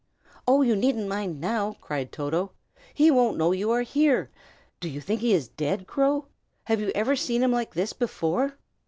"Oh, you needn't mind now!" cried Toto. "He won't know you are here. Do you think he is dead, Crow? Have you ever seen him like this before?"